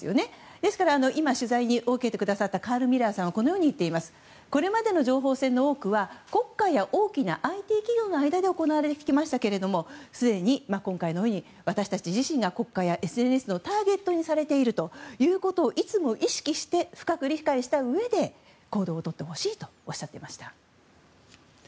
ですから取材を受けてくださったカール・ミラーさんはこれまでの情報戦の多くは国家や大きなＩＴ企業の間で行われてきましたがすでに今回のように私たち自身が国家やＳＮＳのターゲットにされているということをいつも意識して深く理解したうえで行動をとってほしいとおっしゃっていました。